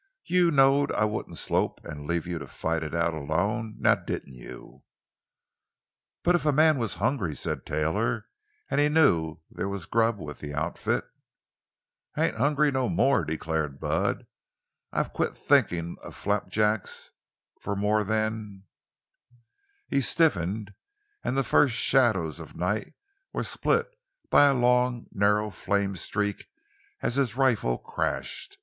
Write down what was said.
"You knowed I wouldn't slope an' leave you to fight it out alone—now didn't you?" "But if a man was hungry," said Taylor, "and he knew there was grub with the outfit——" "I ain't hungry no more," declared Bud; "I've quit thinkin' of flapjacks for more than——" He stiffened, and the first shadows of the night were split by a long, narrow flame streak as his rifle crashed.